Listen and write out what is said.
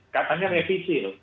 katanya revisi loh